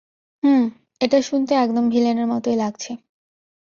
হুম, এটা শুনতে একদম ভিলেনের মতোই লাগছে।